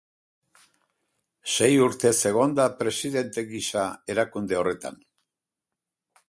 Sei urtez egon da presidente gisa erakunde horretan.